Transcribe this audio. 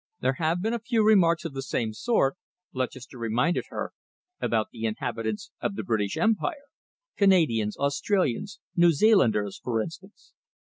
"There have been a few remarks of the same sort," Lutchester reminded her, "about the inhabitants of the British Empire Canadians, Australians, New Zealanders, for instance."